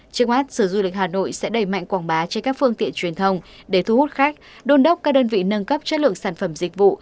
trước mắt sở du lịch hà nội sẽ đẩy mạnh quảng bá trên các phương tiện truyền thông để thu hút khách đôn đốc các đơn vị nâng cấp chất lượng sản phẩm dịch vụ